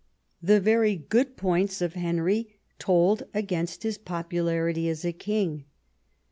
The very good points of Henry told against his popu larity as a king.